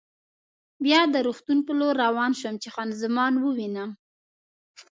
بیا د روغتون په لور روان شوم چې خان زمان ووینم.